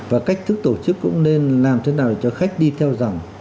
và cách thức tổ chức cũng nên làm thế nào cho khách đi theo dòng